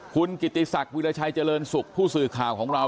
คุณกิติศักดิ์วิราชัยเจริญสุขผู้สื่อข่าวของเรา